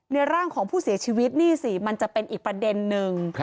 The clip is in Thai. ร่างของผู้เสียชีวิตนี่สิมันจะเป็นอีกประเด็นนึง